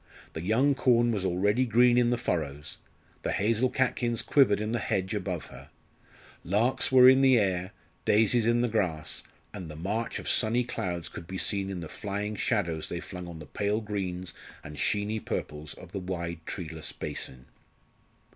The young corn was already green in the furrows; the hazel catkins quivered in the hedge above her; larks were in the air, daisies in the grass, and the march of sunny clouds could be seen in the flying shadows they flung on the pale greens and sheeny purples of the wide treeless basin.